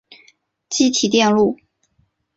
积体电路